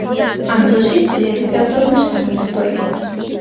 ამ დროს ის ძლიერი ფეოდალური სახელმწიფო იყო.